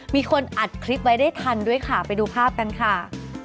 มีคนอัดคลิปไว้ได้ทันด้วยค่ะไปดูภาพกันค่ะ